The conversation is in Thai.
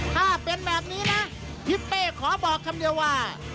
ถ้าเป็นแบบนี้นะทิศเป้ขอบอกคำเดียวว่า